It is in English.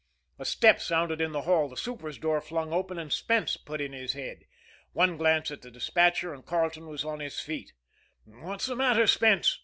A step sounded in the hall, the super's door was flung open, and Spence put in his head. One glance at the despatcher, and Carleton was on his feet. "What's the matter, Spence?"